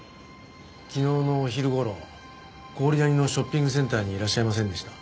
昨日のお昼頃郡谷のショッピングセンターにいらっしゃいませんでした？